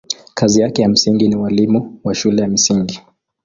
Kazi yake ya msingi ni ualimu wa shule ya msingi.